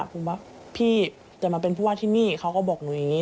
ผมว่าพี่จะมาเป็นผู้ว่าที่นี่เขาก็บอกหนูอย่างนี้